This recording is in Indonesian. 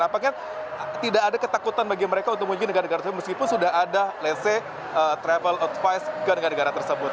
apakah kan tidak ada ketakutan bagi mereka untuk mengunjungi negara negara tersebut meskipun sudah ada lese travel advice ke negara negara tersebut